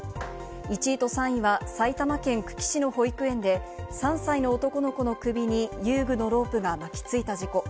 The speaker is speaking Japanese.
１位と３位は埼玉県久喜市の保育園で３歳の男の子の首に遊具のロープが巻きついた事故。